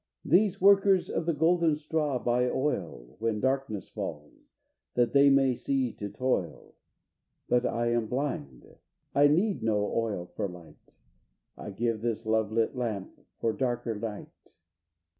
"These workers of the golden straw buy oil, When darkness falls, that they may see to toil; But I am blind, I need no oil for light, I give this love lit lamp for darker night."